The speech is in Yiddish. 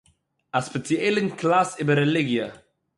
אַ ספּעציעלן קלאַס איבער רעליגיע